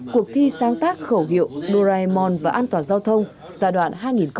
cuộc thi sáng tác khẩu hiệu doraemon và an toàn giao thông giai đoạn hai nghìn một mươi sáu hai nghìn một mươi tám